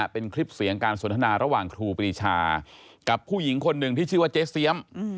เป็นคลิปเสียงการสนทนาระหว่างครูปรีชากับผู้หญิงคนหนึ่งที่ชื่อว่าเจ๊เสียม